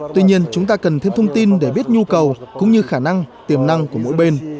tuy nhiên chúng ta cần thêm thông tin để biết nhu cầu cũng như khả năng tiềm năng của mỗi bên